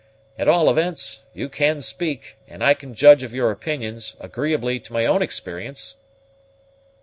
At all events, you can speak, and I can judge of your opinions, agreeably to my own experience."